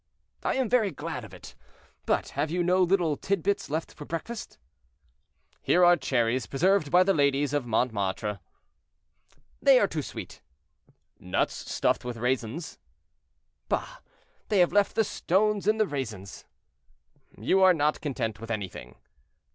"I am very glad of it. But have you no little tit bits left for breakfast?" "Here are cherries preserved by the ladies of Montmartre." "They are too sweet." "Nuts stuffed with raisins." "Bah! they have left the stones in the raisins." "You are not content with anything."